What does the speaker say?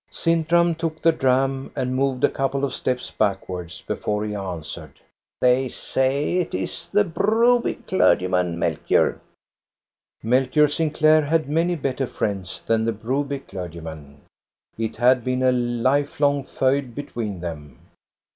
Sintram took the dram and moved a couple of steps backwards, before he answered, —" They say it is the Broby clergyman, Melchior." Melchior Sinclair had many better friends than the Broby clergyman. It had been a life long feud be tween them.